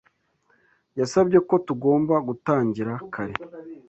Yasabye ko tugomba gutangira kare.